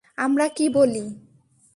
আমরা কি বলি?